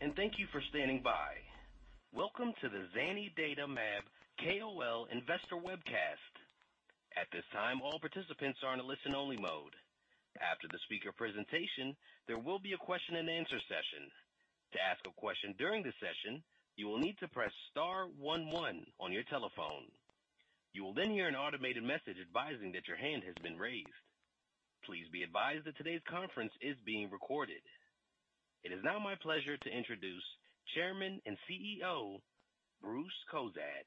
Hello, and thank you for standing by. Welcome to the zanidatamab KOL Investor Webcast. At this time, all participants are in a listen-only mode. After the speaker presentation, there will be a question-and-answer session. To ask a question during the session, you will need to press star 11 on your telephone. You will then hear an automated message advising that your hand has been raised. Please be advised that today's conference is being recorded. It is now my pleasure to introduce Chairman and CEO Bruce Cozadd.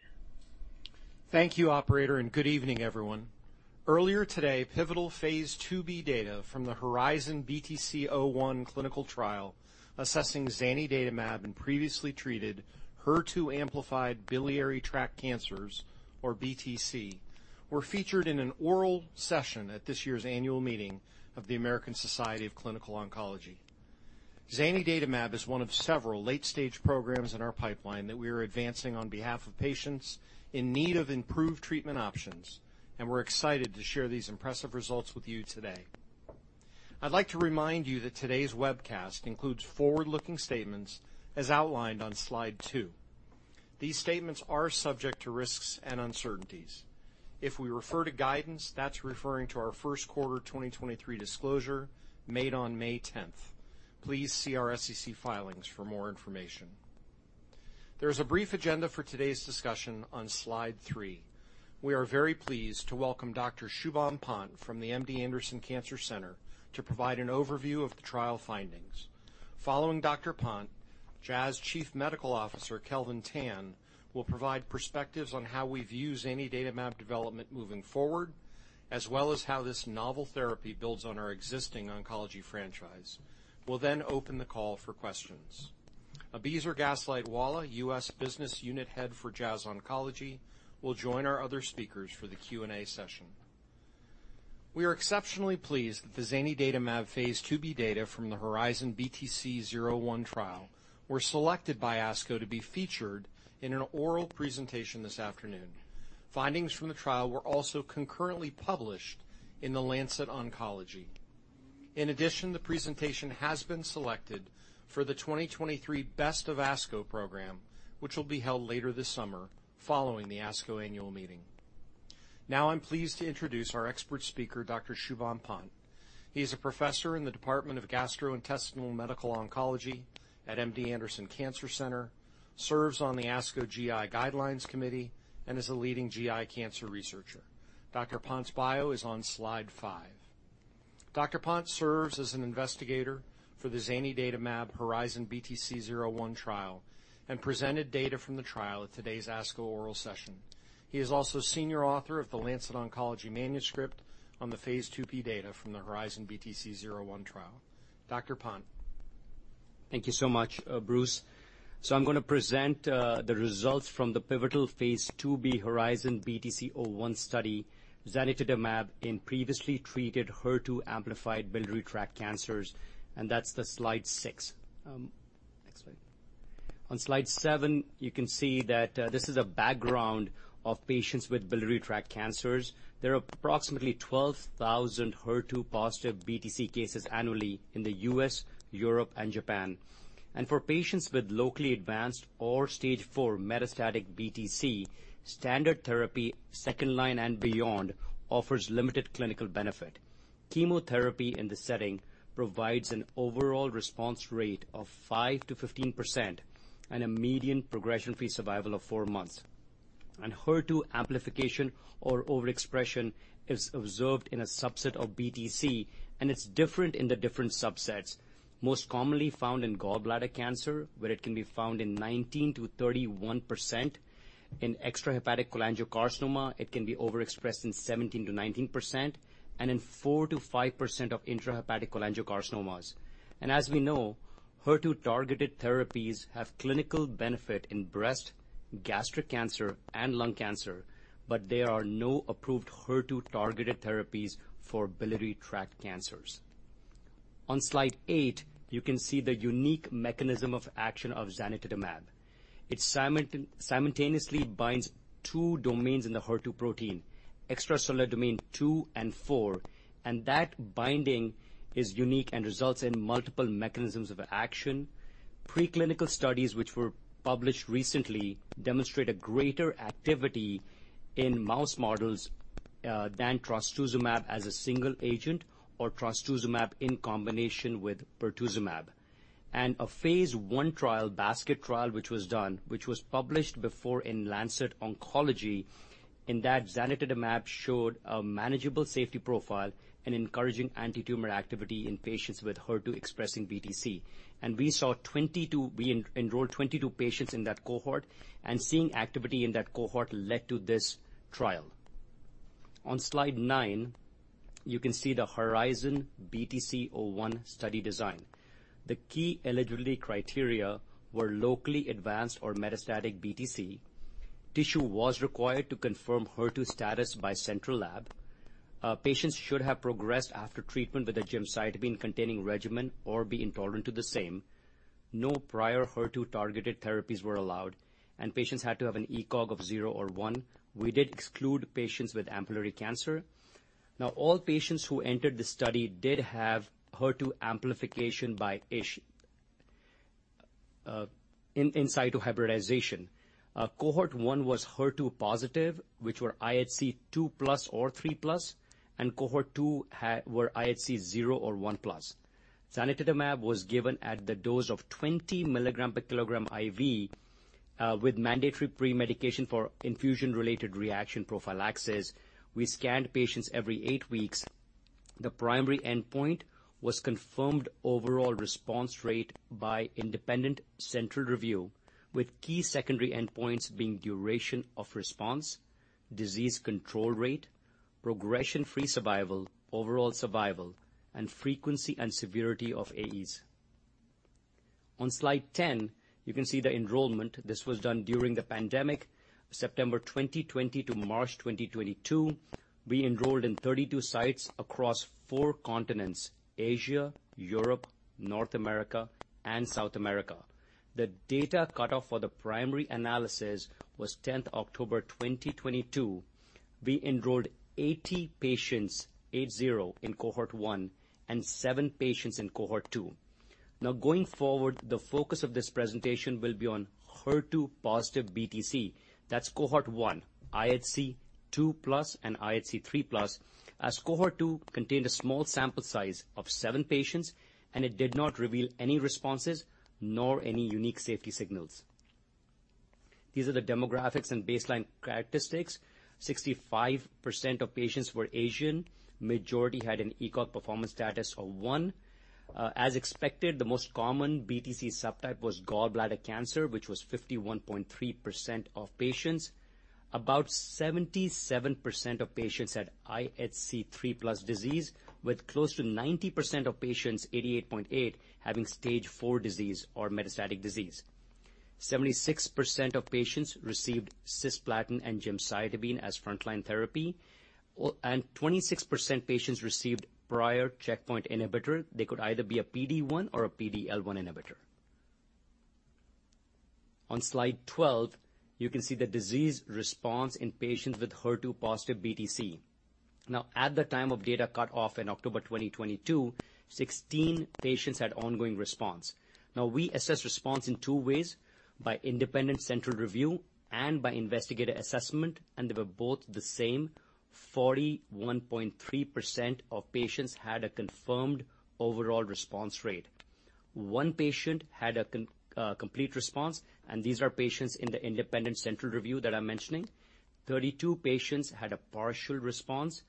Thank you, Operator, and good evening, everyone. Earlier today, pivotal phase IIb data from the HERIZON-BTC-01 clinical trial assessing zanidatamab in previously treated HER2-amplified biliary tract cancers, or BTC, were featured in an oral session at this year's annual meeting of the American Society of Clinical Oncology. Zanidatamab is one of several late-stage programs in our pipeline that we are advancing on behalf of patients in need of improved treatment options, and we're excited to share these impressive results with you today. I'd like to remind you that today's webcast includes forward-looking statements as outlined on slide two. These statements are subject to risks and uncertainties. If we refer to guidance, that's referring to our first quarter 2023 disclosure made on May 10th. Please see our SEC filings for more information. There is a brief agenda for today's discussion on slide three. We are very pleased to welcome Dr. Shubham Pant from the MD Anderson Cancer Center to provide an overview of the trial findings. Following Dr. Pant, Jazz Chief Medical Officer Kelvin Tan will provide perspectives on how we view zanidatamab development moving forward, as well as how this novel therapy builds on our existing oncology franchise. We'll then open the call for questions. Abizer Gaslightwala, U.S. Business Unit Head for Jazz Oncology, will join our other speakers for the Q&A session. We are exceptionally pleased that the zanidatamab phase IIb data from the HERIZON-BTC-01 trial were selected by ASCO to be featured in an oral presentation this afternoon. Findings from the trial were also concurrently published in The Lancet Oncology. In addition, the presentation has been selected for the 2023 Best of ASCO program, which will be held later this summer following the ASCO annual meeting. Now, I'm pleased to introduce our expert speaker, Dr. Shubham Pant. He is a professor in the Department of Gastrointestinal Medical Oncology at MD Anderson Cancer Center, serves on the ASCO GI Guidelines Committee, and is a leading GI cancer researcher. Dr. Pant's bio is on slide five. Dr. Pant serves as an investigator for the Zanidatamab HERIZON-BTC-01 trial and presented data from the trial at today's ASCO oral session. He is also a senior author of The Lancet Oncology manuscript on the phase IIb data from the HERIZON-BTC-01 trial. Dr. Pant. Thank you so much, Bruce. I'm going to present the results from the pivotal phase 2b HERIZON-BTC-01 study, zanidatamab, in previously treated HER2-amplified biliary tract cancers, and that's the slide six. On slide seven, you can see that this is a background of patients with biliary tract cancers. There are approximately 12,000 HER2-positive BTC cases annually in the U.S., Europe, and Japan. For patients with locally advanced or stage four metastatic BTC, standard therapy second line and beyond offers limited clinical benefit. Chemotherapy in this setting provides an overall response rate of 5%-15% and a median progression-free survival of four months. HER2 amplification or overexpression is observed in a subset of BTC, and it's different in the different subsets. Most commonly found in gallbladder cancer, where it can be found in 19%-31%. In extrahepatic Cholangiocarcinoma, it can be overexpressed in 17%-19% and in 4%-5% of intrahepatic cholangiocarcinomas. And as we know, HER2-targeted therapies have clinical benefit in breast, gastric cancer, and lung cancer, but there are no approved HER2-targeted therapies for biliary tract cancers. On slide eight, you can see the unique mechanism of action of zanidatamab. It simultaneously binds two domains in the HER2 protein, extracellular domain two and four, and that binding is unique and results in multiple mechanisms of action. Preclinical studies which were published recently demonstrate a greater activity in mouse models than trastuzumab as a single agent or trastuzumab in combination with pertuzumab. And a phase I trial, basket trial, which was done, which was published before in Lancet Oncology, in that zanidatamab showed a manageable safety profile and encouraging anti-tumor activity in patients with HER2-expressing BTC. And we saw 22. We enrolled 22 patients in that cohort, and seeing activity in that cohort led to this trial. On slide nine, you can see the HERIZON-BTC-01 study design. The key eligibility criteria were locally advanced or metastatic BTC. Tissue was required to confirm HER2 status by central lab. Patients should have progressed after treatment with a gemcitabine-containing regimen or be intolerant to the same. No prior HER2-targeted therapies were allowed, and patients had to have an ECOG of zero or one. We did exclude patients with ampullary cancer. Now, all patients who entered the study did have HER2 amplification by in-situ hybridization. Cohort one was HER2-positive, which were IHC 2+ or 3+, and cohort two were IHC 0 or 1+. Zanidatamab was given at the dose of 20 mg/kg IV with mandatory pre-medication for infusion-related reaction prophylaxis. We scanned patients every eight weeks. The primary endpoint was confirmed overall response rate by independent central review, with key secondary endpoints being duration of response, disease control rate, progression-free survival, overall survival, and frequency and severity of AEs. On slide ten, you can see the enrollment. This was done during the pandemic, September 2020 to March 2022. We enrolled in 32 sites across four continents: Asia, Europe, North America, and South America. The data cutoff for the primary analysis was October 10th, 2022. We enrolled 80 patients, eight zero in cohort one and seven patients in cohort two. Now, going forward, the focus of this presentation will be on HER2-positive BTC. That's cohort one, IHC 2+ and IHC 3+, as cohort two contained a small sample size of seven patients, and it did not reveal any responses nor any unique safety signals. These are the demographics and baseline characteristics. 65% of patients were Asian. Majority had an ECOG performance status of one. As expected, the most common BTC subtype was gallbladder cancer, which was 51.3% of patients. About 77% of patients had IHC 3+ disease, with close to 90% of patients, 88.8%, having stage four disease or metastatic disease. 76% of patients received cisplatin and gemcitabine as frontline therapy, and 26% of patients received prior checkpoint inhibitor. They could either be a PD-1 or a PD-L1 inhibitor. On slide 12, you can see the disease response in patients with HER2-positive BTC. Now, at the time of data cutoff in October 2022, 16 patients had ongoing response. Now, we assessed response in two ways: by independent central review and by investigator assessment, and they were both the same. 41.3% of patients had a confirmed overall response rate. One patient had a complete response, and these are patients in the independent central review that I'm mentioning. 32 patients had a partial response,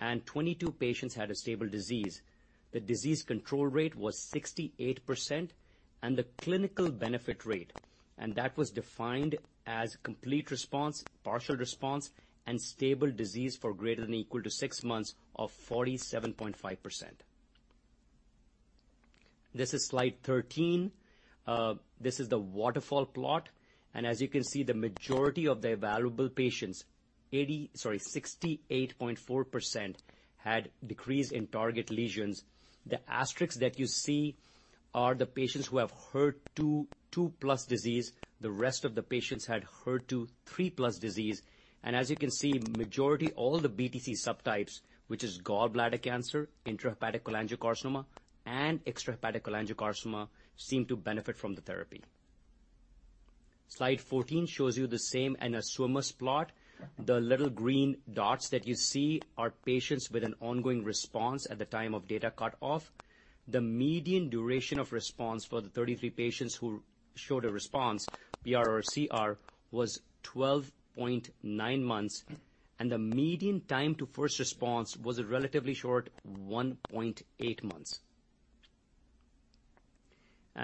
and 22 patients had a stable disease. The disease control rate was 68%, and the clinical benefit rate, and that was defined as complete response, partial response, and stable disease for greater than or equal to six months of 47.5%. This is slide 13. This is the waterfall plot, and as you can see, the majority of the evaluable patients, 80 - sorry, 68.4% - had decrease in target lesions. The asterisks that you see are the patients who have HER2 2+ disease. The rest of the patients had HER2 3+ disease, and as you can see, majority of all the BTC subtypes, which is gallbladder cancer, intrahepatic cholangiocarcinoma, and extrahepatic cholangiocarcinoma, seem to benefit from the therapy. Slide 14 shows you the same swimmer's plot. The little green dots that you see are patients with an ongoing response at the time of data cutoff. The median duration of response for the 33 patients who showed a response, PR or CR, was 12.9 months, and the median time to first response was a relatively short 1.8 months.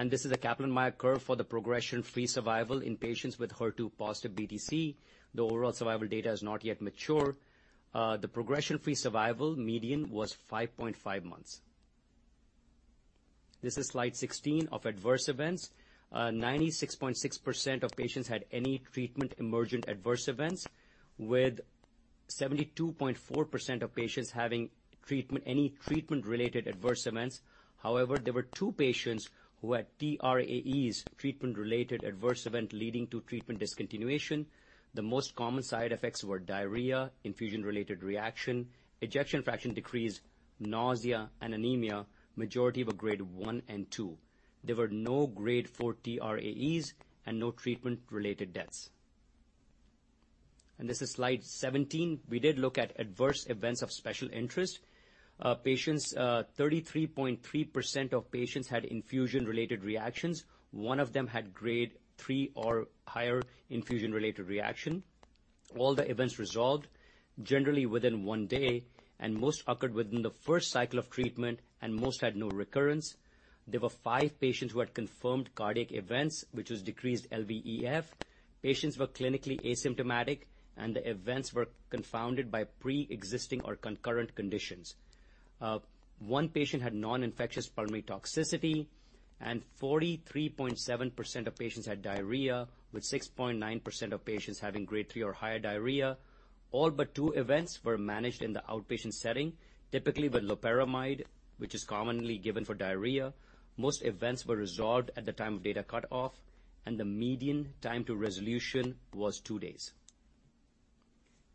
This is a Kaplan-Meier curve for the progression-free survival in patients with HER2-positive BTC. The overall survival data is not yet mature. The progression-free survival median was 5.5 months. This is slide 16 of adverse events. 96.6% of patients had any treatment emergent adverse events, with 72.4% of patients having any treatment-related adverse events. However, there were two patients who had TRAEs, treatment-related adverse events leading to treatment discontinuation. The most common side effects were diarrhea, infusion-related reaction, ejection fraction decrease, nausea, and anemia. Majority were grade one and two. There were no grade four TRAEs and no treatment-related deaths. And this is slide 17. We did look at adverse events of special interest. 33.3% of patients had infusion-related reactions. One of them had grade three or higher infusion-related reaction. All the events resolved generally within one day, and most occurred within the first cycle of treatment, and most had no recurrence. There were five patients who had confirmed cardiac events, which was decreased LVEF. Patients were clinically asymptomatic, and the events were confounded by pre-existing or concurrent conditions. One patient had non-infectious pulmonary toxicity, and 43.7% of patients had diarrhea, with 6.9% of patients having grade three or higher diarrhea. All but two events were managed in the outpatient setting, typically with loperamide, which is commonly given for diarrhea. Most events were resolved at the time of data cutoff, and the median time to resolution was two days.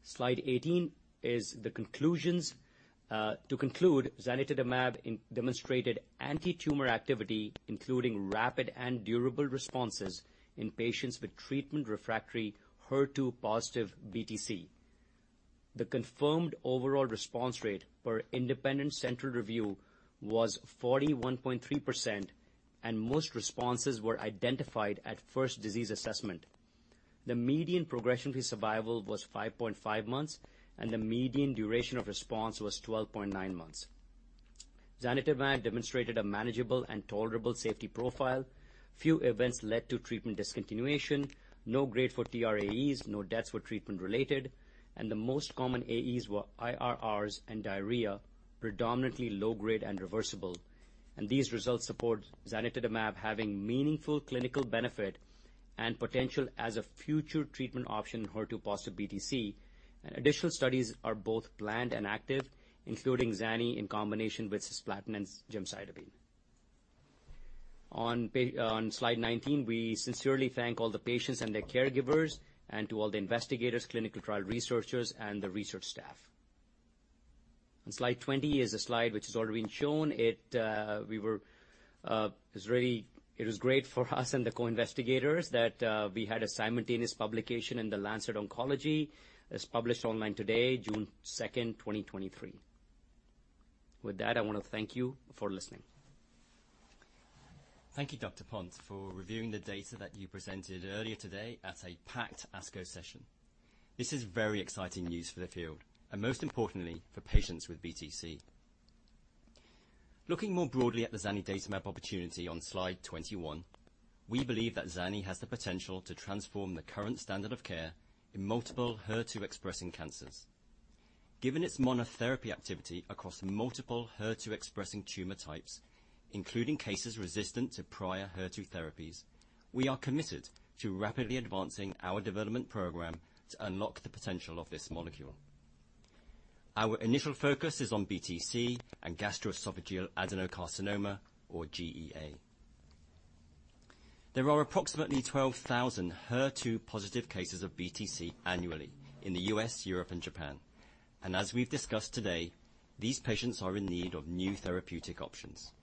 Slide 18 is the conclusions. To conclude, zanidatamab demonstrated anti-tumor activity, including rapid and durable responses in patients with treatment refractory HER2-positive BTC. The confirmed overall response rate per independent central review was 41.3%, and most responses were identified at first disease assessment. The median progression-free survival was 5.5 months, and the median duration of response was 12.9 months. Zanidatamab demonstrated a manageable and tolerable safety profile. Few events led to treatment discontinuation. No grade four TRAEs, no deaths were treatment-related, and the most common AEs were IRRs and diarrhea, predominantly low-grade and reversible, and these results support zanidatamab having meaningful clinical benefit and potential as a future treatment option in HER2-positive BTC, and additional studies are both planned and active, including zanidatamab in combination with cisplatin and gemcitabine. On slide 19, we sincerely thank all the patients and their caregivers, and to all the investigators, clinical trial researchers, and the research staff. On slide 20 is a slide which has already been shown. It was great for us and the co-investigators that we had a simultaneous publication in the Lancet Oncology. It's published online today, June 2nd, 2023. With that, I want to thank you for listening. Thank you, Dr. Pant, for reviewing the data that you presented earlier today at a packed ASCO session. This is very exciting news for the field, and most importantly, for patients with BTC. Looking more broadly at the zanidatamab opportunity on slide 21, we believe that zanidatamab has the potential to transform the current standard of care in multiple HER2-expressing cancers. Given its monotherapy activity across multiple HER2-expressing tumor types, including cases resistant to prior HER2 therapies, we are committed to rapidly advancing our development program to unlock the potential of this molecule. Our initial focus is on BTC and gastroesophageal adenocarcinoma, or GEA. There are approximately 12,000 HER2-positive cases of BTC annually in the U.S., Europe, and Japan, and as we've discussed today, these patients are in need of new therapeutic options.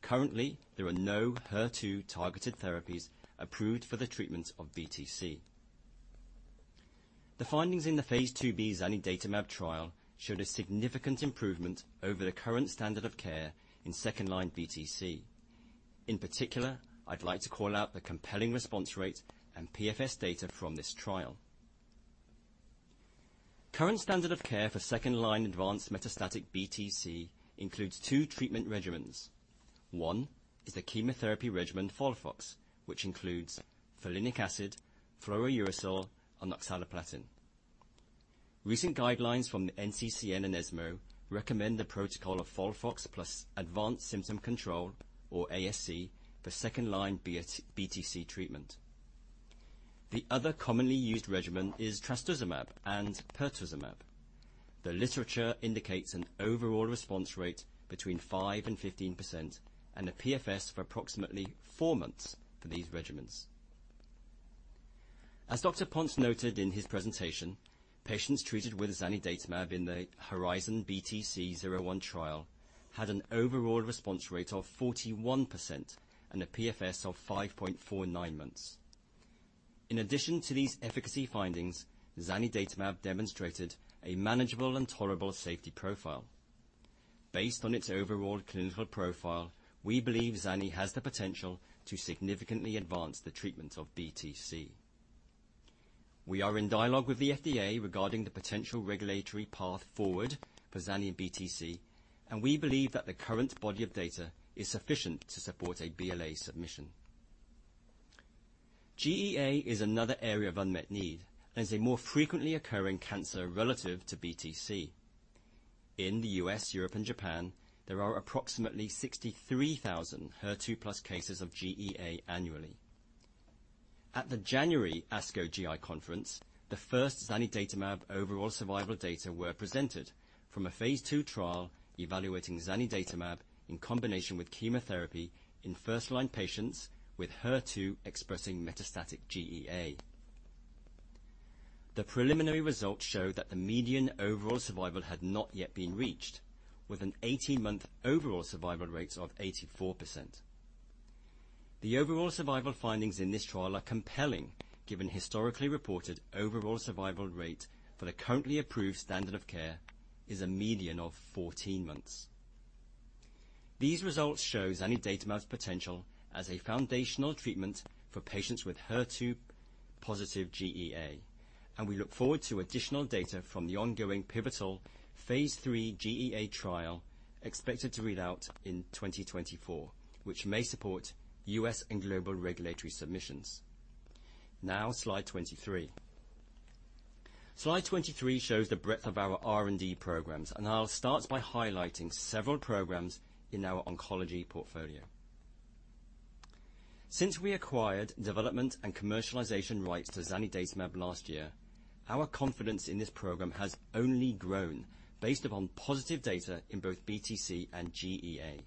Currently, there are no HER2-targeted therapies approved for the treatment of BTC. The findings in the phase IIb zanidatamab trial showed a significant improvement over the current standard of care in second-line BTC. In particular, I'd like to call out the compelling response rate and PFS data from this trial. Current standard of care for second-line advanced metastatic BTC includes two treatment regimens. One is the chemotherapy regimen, FOLFOX, which includes folinic acid, fluorouracil, and oxaliplatin. Recent guidelines from the NCCN and ESMO recommend the protocol of FOLFOX plus advanced symptom control, or ASC, for second-line BTC treatment. The other commonly used regimen is trastuzumab and pertuzumab. The literature indicates an overall response rate between 5%-15% and a PFS for approximately four months for these regimens. As Dr. Pant noted in his presentation, patients treated with zanidatamab in the HERIZON-BTC-01 trial had an overall response rate of 41% and a PFS of 5.49 months. In addition to these efficacy findings, zanidatamab demonstrated a manageable and tolerable safety profile. Based on its overall clinical profile, we believe zanidatamab has the potential to significantly advance the treatment of BTC. We are in dialogue with the FDA regarding the potential regulatory path forward for zanidatamab and BTC, and we believe that the current body of data is sufficient to support a BLA submission. GEA is another area of unmet need and is a more frequently occurring cancer relative to BTC. In the U.S., Europe, and Japan, there are approximately 63,000 HER2 plus cases of GEA annually. At the January ASCO GI Conference, the first zanidatamab overall survival data were presented from a phase II trial evaluating zanidatamab in combination with chemotherapy in first-line patients with HER2 expressing metastatic GEA. The preliminary results showed that the median overall survival had not yet been reached, with an 18-month overall survival rate of 84%. The overall survival findings in this trial are compelling given historically reported overall survival rate for the currently approved standard of care is a median of 14 months. These results show zanidatamab's potential as a foundational treatment for patients with HER2-positive GEA, and we look forward to additional data from the ongoing pivotal phase three GEA trial expected to read out in 2024, which may support U.S. and global regulatory submissions. Now, slide 23. Slide 23 shows the breadth of our R&D programs, and I'll start by highlighting several programs in our oncology portfolio. Since we acquired development and commercialization rights to zanidatamab last year, our confidence in this program has only grown based upon positive data in both BTC and GEA.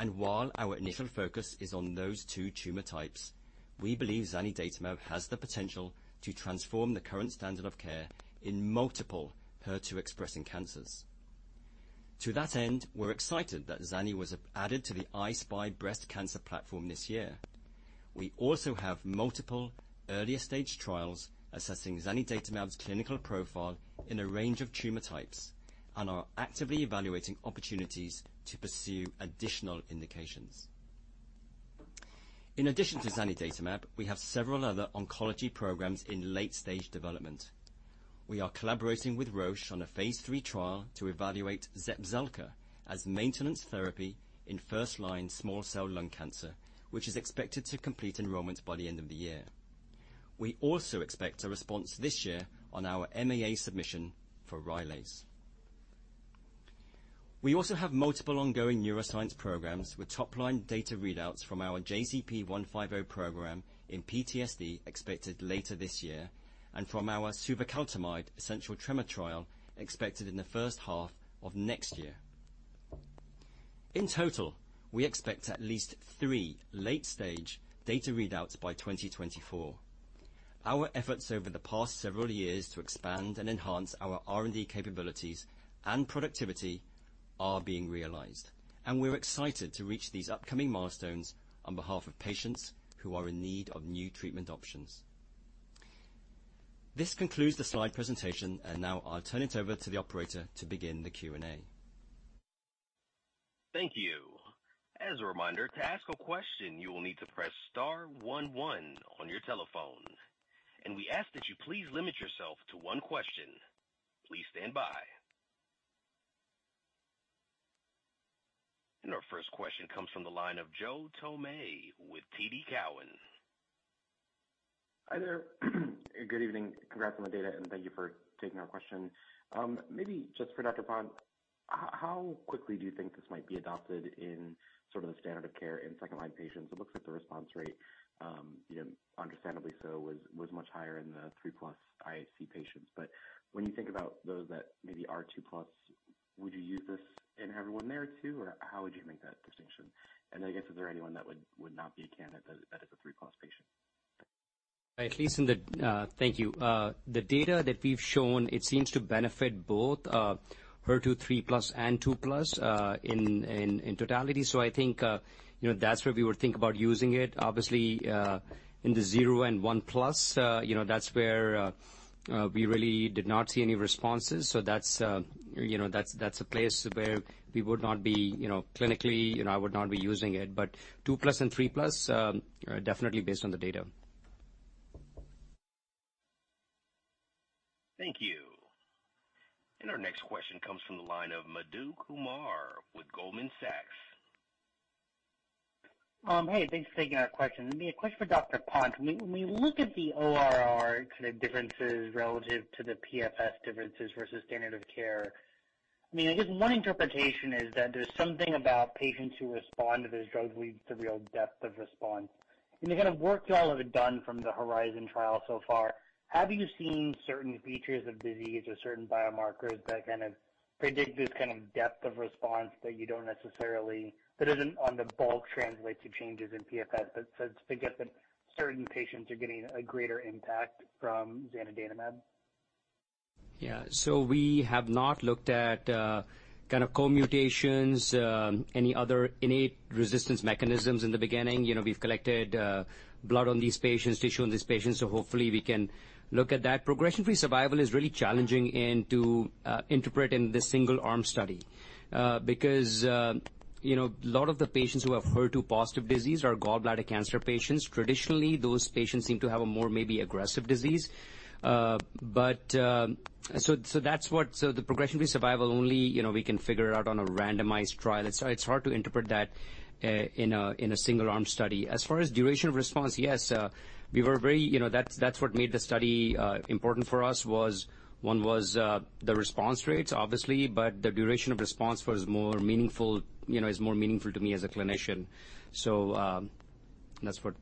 And while our initial focus is on those two tumor types, we believe zanidatamab has the potential to transform the current standard of care in multiple HER2-expressing cancers. To that end, we're excited that zanidatamab was added to the I-SPY breast cancer platform this year. We also have multiple earlier stage trials assessing zanidatamab's clinical profile in a range of tumor types and are actively evaluating opportunities to pursue additional indications. In addition to zanidatamab, we have several other oncology programs in late-stage development. We are collaborating with Roche on a phase three trial to evaluate Zepzelka as maintenance therapy in first-line small cell lung cancer, which is expected to complete enrollment by the end of the year. We also expect a response this year on our MAA submission for Rylaze. We also have multiple ongoing neuroscience programs with top-line data readouts from our JZP150 program in PTSD expected later this year and from our suvecaltamide essential tremor trial expected in the first half of next year. In total, we expect at least three late-stage data readouts by 2024. Our efforts over the past several years to expand and enhance our R&D capabilities and productivity are being realized, and we're excited to reach these upcoming milestones on behalf of patients who are in need of new treatment options. This concludes the slide presentation, and now I'll turn it over to the operator to begin the Q&A. Thank you. As a reminder, to ask a question, you will need to press star 11 on your telephone. And we ask that you please limit yourself to one question. Please stand by. And our first question comes from the line of Joe Thome with TD Cowen. Hi there. Good evening. Congrats on the data, and thank you for taking our question. Maybe just for Dr. Pant, how quickly do you think this might be adopted in sort of the standard of care in second-line patients? It looks like the response rate, understandably so, was much higher in the three-plus IHC patients. But when you think about those that maybe are 2+, would you use this in everyone there too, or how would you make that distinction? And I guess is there anyone that would not be a candidate that is a 3+ patient? At least in the data, thank you. The data that we've shown, it seems to benefit both HER2 3+ and 2+ in totality. So I think that's where we would think about using it. Obviously, in the 0 and 1+, that's where we really did not see any responses. So that's a place where we would not be clinically. I would not be using it, but 2+ and 3+, definitely based on the data. Thank you. And our next question comes from the line of Madhu Kumar with Goldman Sachs. Hey, thanks for taking our question. It'd be a question for Dr. Pant. When we look at the ORR kind of differences relative to the PFS differences versus standard of care, I mean, I guess one interpretation is that there's something about patients who respond to those drugs with the real depth of response. In the kind of work y'all have done from the Horizon trial so far, have you seen certain features of disease or certain biomarkers that kind of predict this kind of depth of response that you don't necessarily that doesn't, on the bulk, translate to changes in PFS, but to get that certain patients are getting a greater impact from zanidatamab? Yeah, so we have not looked at kind of co-mutations, any other innate resistance mechanisms in the beginning. We've collected blood on these patients, tissue on these patients, so hopefully we can look at that. Progression-free survival is really challenging to interpret in this single arm study because a lot of the patients who have HER2 positive disease are gallbladder cancer patients. Traditionally, those patients seem to have a more maybe aggressive disease. But that's what the progression-free survival only we can figure out on a randomized trial. It's hard to interpret that in a single arm study. As far as duration of response, yes, we were very – that's what made the study important for us was the response rates, obviously, but the duration of response was more meaningful, is more meaningful to me as a clinician. So that's what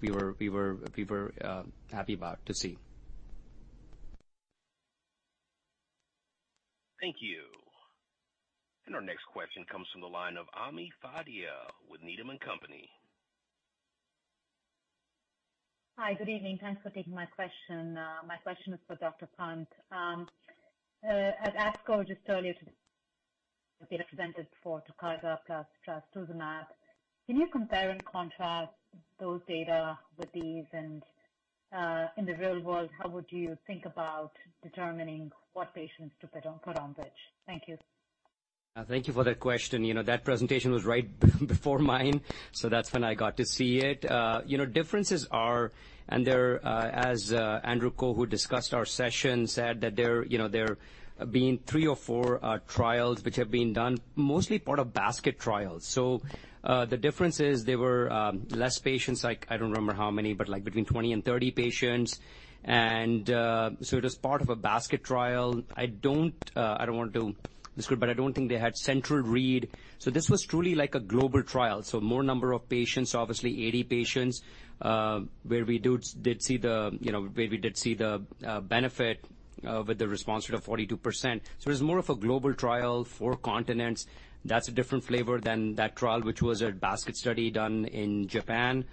we were happy about to see. Thank you. And our next question comes from the line of Ami Fadia with Needham & Company. Hi, good evening. Thanks for taking my question. My question is for Dr. Pant. At ASCO, just earlier, data were presented for Tukysa plus trastuzumab. Can you compare and contrast those data with these? And in the real world, how would you think about determining what patients to put on which? Thank you. Thank you for that question. That presentation was right before mine, so that's when I got to see it. Differences are, and as Andrew Ko, who discussed our session, said that there have been three or four trials which have been done, mostly part of basket trials. So the difference is there were less patients, I don't remember how many, but between 20 and 30 patients. And so it was part of a basket trial. I don't want to describe, but I don't think they had central read. So this was truly like a global trial. So more number of patients, obviously 80 patients, where we did see the benefit with the response rate of 42%. So it was more of a global trial for continents. That's a different flavor than that trial which was a basket study done in Japan.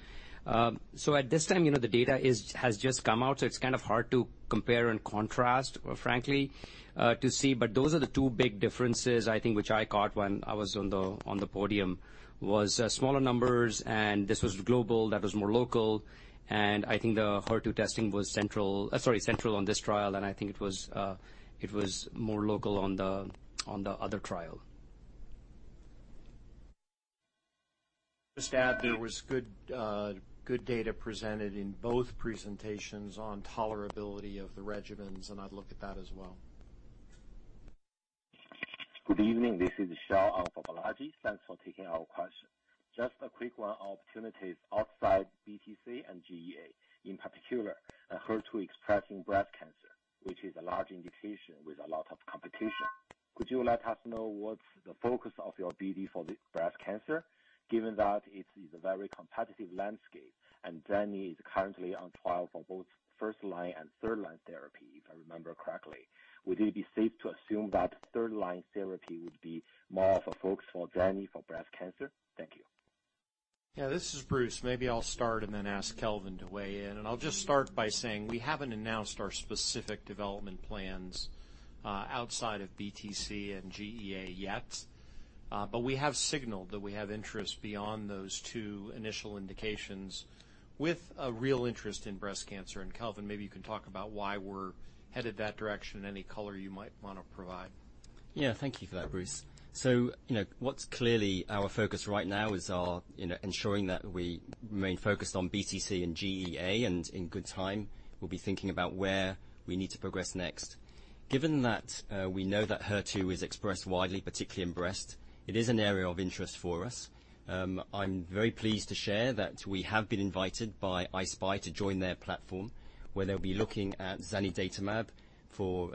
So at this time, the data has just come out, so it's kind of hard to compare and contrast, frankly, to see. But those are the two big differences I think which I caught when I was on the podium was smaller numbers, and this was global. That was more local. And I think the HER2 testing was central, sorry, central on this trial, and I think it was more local on the other trial. Just add there was good data presented in both presentations on tolerability of the regimens, and I'd look at that as well. Good evening. This is Abizer Gaslightwala. Thanks for taking our question. Just a quick one, opportunities outside BTC and GEA, in particular, HER2 expressing breast cancer, which is a large indication with a lot of competition. Could you let us know what's the focus of your BD for breast cancer, given that it is a very competitive landscape and zanidatamab is currently on trial for both first-line and third-line therapy, if I remember correctly? Would it be safe to assume that third-line therapy would be more of a focus for zanidatamab for breast cancer? Thank you. Yeah, this is Bruce. Maybe I'll start and then ask Kelvin to weigh in. And I'll just start by saying we haven't announced our specific development plans outside of BTC and GEA yet, but we have signaled that we have interest beyond those two initial indications with a real interest in breast cancer. And Kelvin, maybe you can talk about why we're headed that direction and any color you might want to provide. Yeah, thank you for that, Bruce. So what's clearly our focus right now is ensuring that we remain focused on BTC and GEA, and in good time, we'll be thinking about where we need to progress next. Given that we know that HER2 is expressed widely, particularly in breast, it is an area of interest for us. I'm very pleased to share that we have been invited by I-SPY to join their platform where they'll be looking at zanidatamab for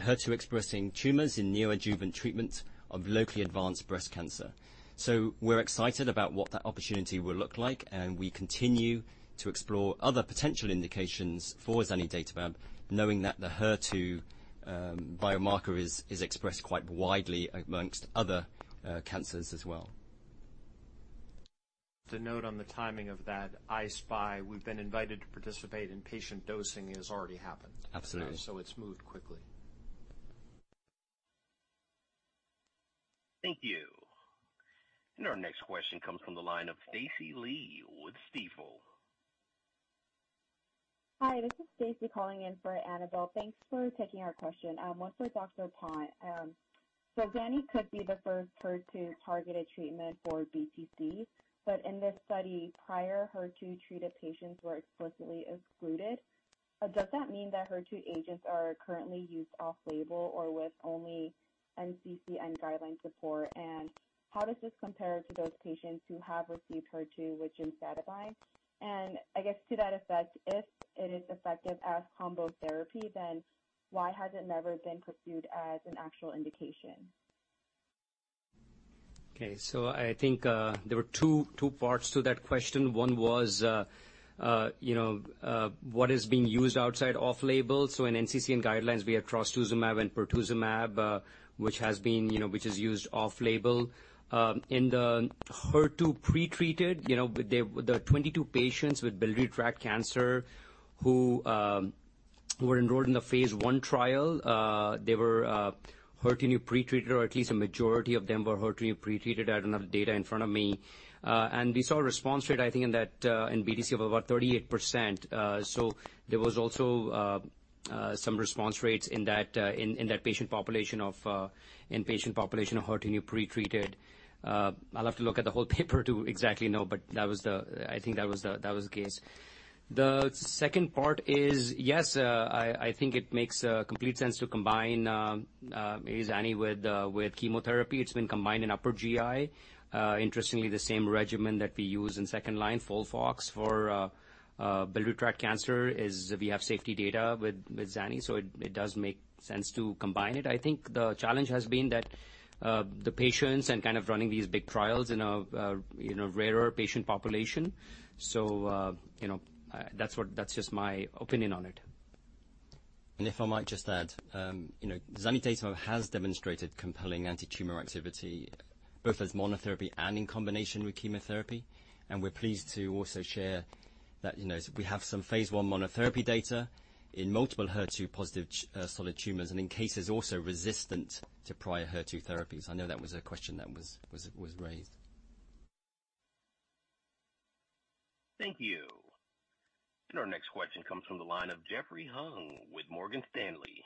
HER2 expressing tumors in neoadjuvant treatment of locally advanced breast cancer. So we're excited about what that opportunity will look like, and we continue to explore other potential indications for zanidatamab, knowing that the HER2 biomarker is expressed quite widely amongst other cancers as well. To note on the timing of that, I-SPY, we've been invited to participate in. Patient dosing has already happened. Absolutely. So it's moved quickly. Thank you. Our next question comes from the line of Stacy Lee with Stifel. Hi, this is Stacy calling in for Annabel. Thanks for taking our question. One for Dr. Pant. So zanidatamab could be the first HER2 targeted treatment for BTC, but in this study, prior HER2-treated patients were explicitly excluded. Does that mean that HER2 agents are currently used off-label or with only NCCN guideline support? And how does this compare to those patients who have received HER2 with gemcitabine? And I guess to that effect, if it is effective as combo therapy, then why has it never been pursued as an actual indication? Okay. So I think there were two parts to that question. One was what is being used outside off-label. So in NCCN guidelines, we have trastuzumab and pertuzumab, which is used off-label. In the HER2 pretreated, the 22 patients with biliary tract cancer who were enrolled in the phase I trial, they were HER2/neu pretreated, or at least a majority of them were HER2/neu pretreated. I don't have the data in front of me. We saw a response rate, I think, in BTC of about 38%. There was also some response rates in that patient population of HER2/neu pretreated. I'll have to look at the whole paper to exactly know, but that was, I think, the case. The second part is, yes, I think it makes complete sense to combine zanidatamab with chemotherapy. It's been combined in upper GI. Interestingly, the same regimen that we use in second line, FOLFOX, for biliary tract cancer is we have safety data with zanidatamab, so it does make sense to combine it. I think the challenge has been that the patients and kind of running these big trials in a rarer patient population. So that's just my opinion on it. And if I might just add, zanidatamab has demonstrated compelling anti-tumor activity both as monotherapy and in combination with chemotherapy. And we're pleased to also share that we have some phase one monotherapy data in multiple HER2-positive solid tumors and in cases also resistant to prior HER2 therapies. I know that was a question that was raised. Thank you. And our next question comes from the line of Jeffrey Hung with Morgan Stanley.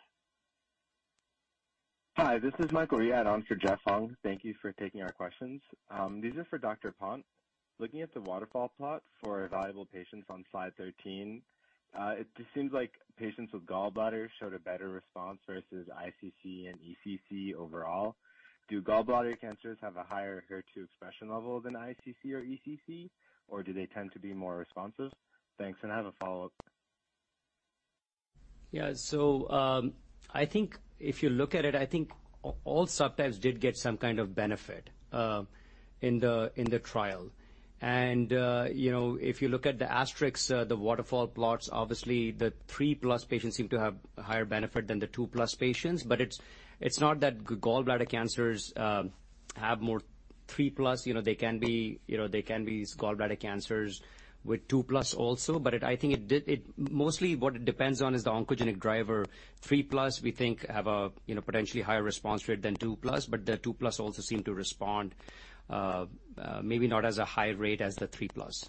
Hi, this is Michael Riad on for Jeff Hung. Thank you for taking our questions. These are for Dr. Pant. Looking at the waterfall plot for evaluable patients on slide 13, it just seems like patients with gallbladder showed a better response versus ICC and ECC overall. Do gallbladder cancers have a higher HER2 expression level than ICC or ECC, or do they tend to be more responsive? Thanks, and I have a follow-up. Yeah, so I think if you look at it, I think all subtypes did get some kind of benefit in the trial. And if you look at the asterisk, the waterfall plots, obviously the 3+ patients seem to have higher benefit than the 2+ patients, but it's not that gallbladder cancers have more 3+. They can be gallbladder cancers with 2+ also, but I think it mostly what it depends on is the oncogenic driver. 3+, we think, have a potentially higher response rate than2+, but the 2+ also seem to respond maybe not as a high rate as the 3+.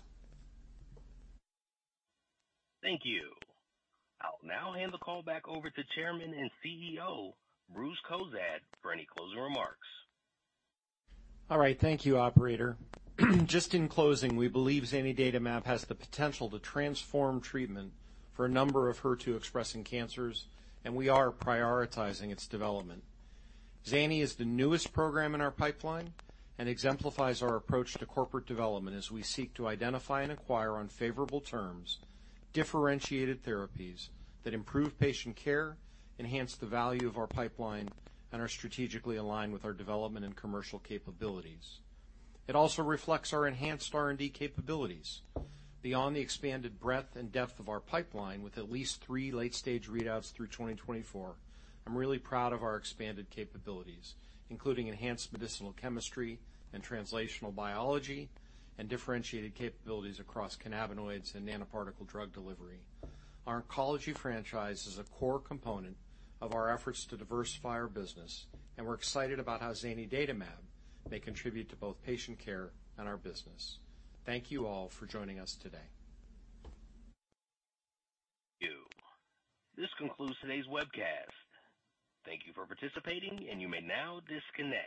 Thank you. I'll now hand the call back over to Chairman and CEO Bruce Cozadd for any closing remarks. All right. Thank you, Operator. Just in closing, we believe zanidatamab has the potential to transform treatment for a number of HER2-expressing cancers, and we are prioritizing its development. Zanidatamab is the newest program in our pipeline and exemplifies our approach to corporate development as we seek to identify and acquire on favorable terms differentiated therapies that improve patient care, enhance the value of our pipeline, and are strategically aligned with our development and commercial capabilities. It also reflects our enhanced R&D capabilities beyond the expanded breadth and depth of our pipeline with at least three late-stage readouts through 2024. I'm really proud of our expanded capabilities, including enhanced medicinal chemistry and translational biology and differentiated capabilities across cannabinoids and nanoparticle drug delivery. Our oncology franchise is a core component of our efforts to diversify our business, and we're excited about how zanidatamab may contribute to both patient care and our business. Thank you all for joining us today. Thank you. This concludes today's webcast. Thank you for participating, and you may now disconnect.